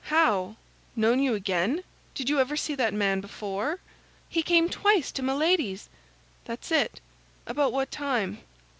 "How? know you again? Did you ever see that man before?" "He came twice to Milady's." "That's it. About what time?"